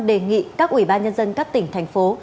đề nghị các ủy ban nhân dân các tỉnh thành phố